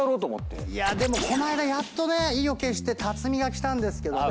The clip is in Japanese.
でもこの間やっとね意を決して辰巳が来たんですけどね。